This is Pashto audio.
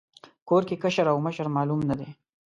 کور کې کشر او مشر معلوم نه دی.